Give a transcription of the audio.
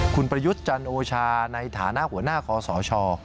คุณประยุทธ์จันโอชาในฐานะหัวหน้าคอสช